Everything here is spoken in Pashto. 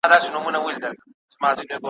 پر دېګدان باندي یې هیڅ نه وه بار کړي `